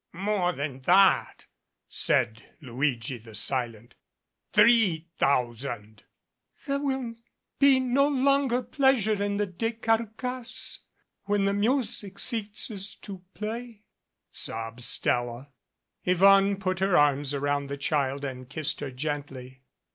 "More than that," said Luigi the silent, "three thou sand." "There will be no longer pleasure in the decarcasse when the music ceases to play," sobbed Stella. Yvonne put her arms around the child and kissed her gently.